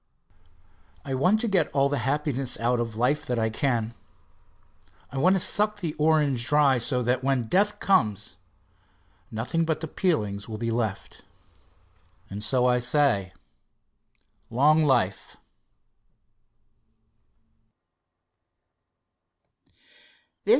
I want to get all the happiness out of life that I can. I want to suck the orange dry, so that when death comes nothing but the peelings will be left, and so I say: "Long life!"